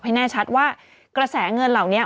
ให้แน่ชัดว่ากระแสเงินเหล่านี้